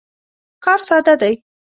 کار ساده دی.